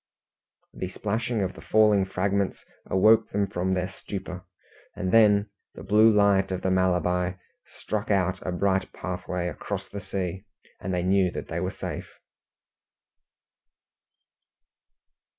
The splashing of the falling fragments awoke them from their stupor, and then the blue light of the Malabar struck out a bright pathway across the sea, and they knew that they were safe.